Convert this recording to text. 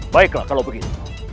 baiklah kalau begitu